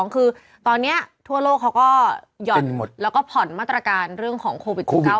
คือตอนนี้ทั่วโลกเขาก็หย่อนแล้วก็ผ่อนมาตรการเรื่องของโควิด๑๙